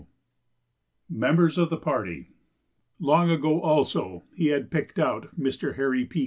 ] [Sidenote: Members of the Party] Long ago, also, he had picked out Mr. Harry P.